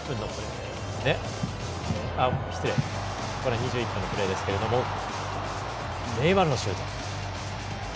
２１分のプレーですけどネイマールのシュート。